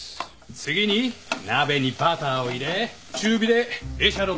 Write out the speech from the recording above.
次に鍋にバターを入れ中火でエシャロットを炒める。